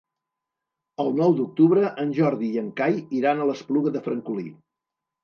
El nou d'octubre en Jordi i en Cai iran a l'Espluga de Francolí.